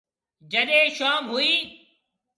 جڏي شوم ھوئِي۔